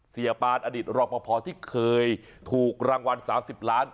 ปานอดีตรอปภที่เคยถูกรางวัล๓๐ล้าน